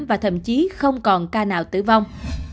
và thậm chí không còn ca nào tử vong